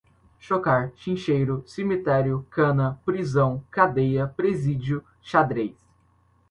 chocar, chincheiro, cemitério, cana, prisão, cadeia, presídio, xadrez